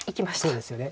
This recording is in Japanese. そうですよね。